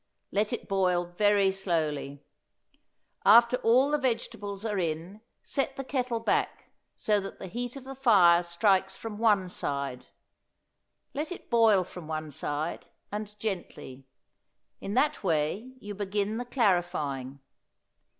Let it boil very slowly. After all the vegetables are in set the kettle back so that the heat of the fire strikes from one side; let it boil from one side and gently; in that way you begin the clarifying.